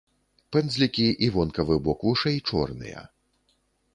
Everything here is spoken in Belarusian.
Пэндзлікі і вонкавы бок вушэй чорныя.